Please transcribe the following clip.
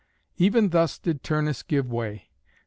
Even thus did Turnus give way.